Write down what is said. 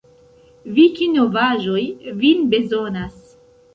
Vikinovaĵoj vin bezonas!